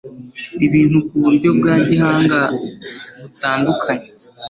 ibintu kuburyo bwa gihanga, butandukanye